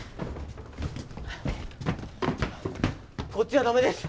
こっちは駄目です。